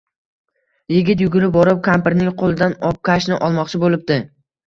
Yigit yugurib borib kampirning qo‘lidan obkashni olmoqchi bo‘libdi.